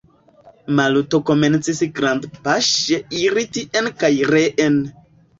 Maluto komencis grandpaŝe iri tien kaj reen.